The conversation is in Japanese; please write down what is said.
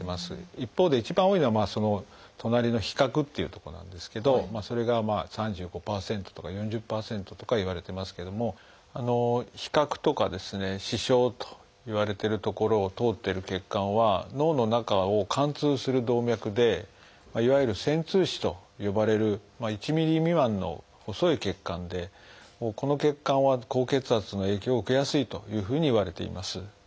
一方で一番多いのはその隣の「被殻」っていう所なんですけどそれが３５％とか４０％とかいわれてますけども被殻とか視床といわれてる所を通ってる血管は脳の中を貫通する動脈でいわゆる「穿通枝」と呼ばれる１ｍｍ未満の細い血管でこの血管は高血圧の影響を受けやすいというふうにいわれています。